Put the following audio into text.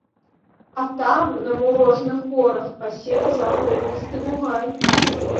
А там на мурожных горах пасецца агромністы бугай.